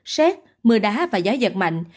rét mưa đá và gió giật mạnh